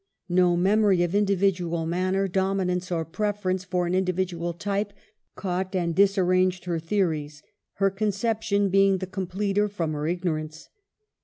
No memory of individual manner, dominance or preference for an individual type, caught and disarranged her theories, her concep tion being the completer from her ignorance.